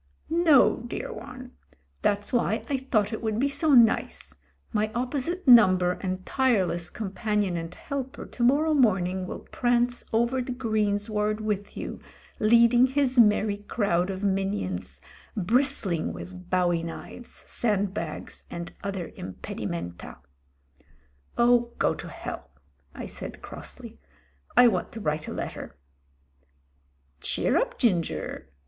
"No, dear one. That's why I thought it would be so nice. My opposite number and tireless companion and helper to morrow morning will prance over the greensward with you, leading his merry crowd of minions, bristling with bowie knives, sand bags, and other impedimenta." THE DEATH GRIP 189 "Oh ! go to Hell," I said crossly. "I want to wnte a letter." "Cheer up, Ginger."